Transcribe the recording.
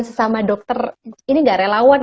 sesama dokter ini gak relawan